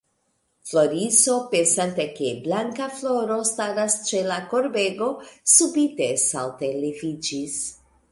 Floriso, pensante ke Blankafloro staras ĉe la korbego, subite salte leviĝis.